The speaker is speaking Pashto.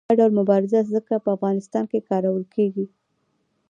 دا ډول مبارزه څنګه په افغانستان کې کارول کیږي؟